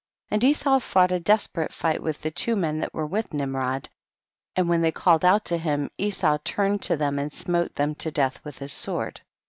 8. And Esau fought a desperate fight with the two men that were with Nimrod, and when they called out to him, Esau turned to them and smote them to death with his sword.